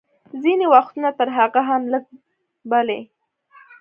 ځینې وختونه تر هغه هم لږ، بلې.